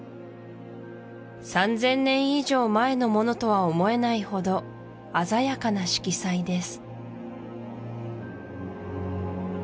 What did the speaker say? ３０００年以上前のものとは思えないほど鮮やかな色彩です